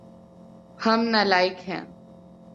ہم نالائق ہیے